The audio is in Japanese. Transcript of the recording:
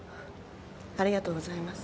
ありがとうございます。